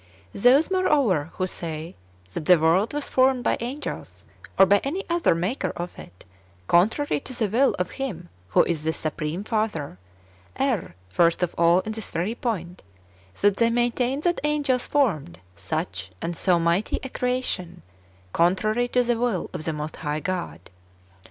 1. Those, moreover, who say that the world was formed by angels, or by any other maker of it, contrary to the will of Him who is the supreme Father, err first of all in this very point, that they maintain that angels formed such and so mighty a creation, contrary to the will of the most high God.